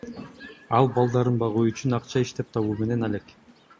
Ал балдарын багуу үчүн акча иштеп табуу менен алек.